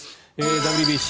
ＷＢＣ。